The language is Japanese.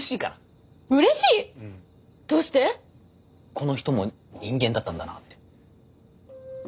この人も人間だったんだなって。